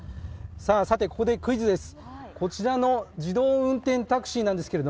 さてここでクイズです。